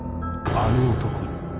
あの男に。